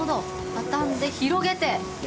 畳んで広げて。